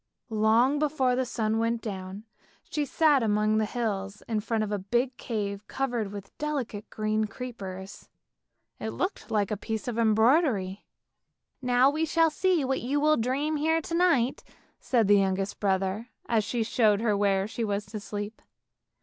Long before the sun went down, she sat among the hills in front of a big cave covered with delicate green creepers. It looked like a piece of embroidery. " Now we shall see what you will dream here to night," said the youngest brother, as he showed her where she was to sleep.